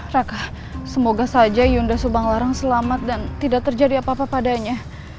raka semoga saja yunda subang larang selamat dan tidak terjadi apa apa padanya